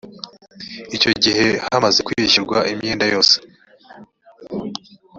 icyo gihe hamaze kwishyurwa imyenda yose